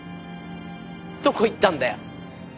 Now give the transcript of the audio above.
どこ行ったんだよ？